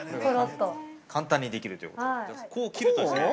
◆簡単にできるということで。